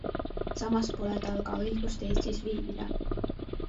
Samas pole tal ka õigust Eestis viibida.